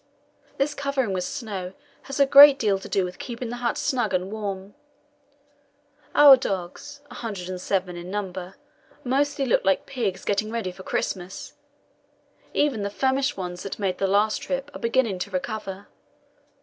This covering with snow has a great deal to do with keeping the hut snug and warm. Our dogs 107 in number mostly look like pigs getting ready for Christmas; even the famished ones that made the last trip are beginning to recover.